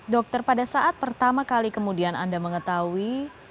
dokter pada saat pertama kali kemudian anda mengetahui